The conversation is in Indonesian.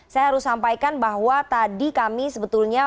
saya harus sampaikan bahwa tadi kami sebetulnya